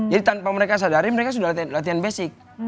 jadi tanpa mereka sadari mereka sudah latihan basic